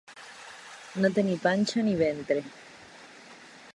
No tenir panxa ni ventre.